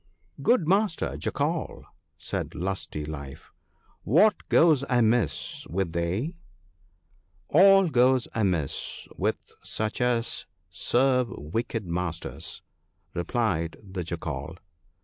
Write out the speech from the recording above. ' Good master Jackal,' said Lusty life, ' what goes amiss with thee ?' 'All goes amiss with such as serve wicked masters,' replied the Jackal.